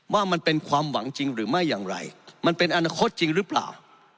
ว่ามันเป็นความหวังจริงหรือไม่อย่างไรมันเป็นอนาคตจริงหรือเปล่า